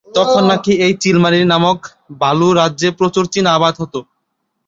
তখন নাকি এই চিলমারী নামক বালু রাজ্যে প্রচুর চিনা আবাদ হতো।